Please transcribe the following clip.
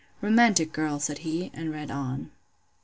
Romantic girl! said he, and read on.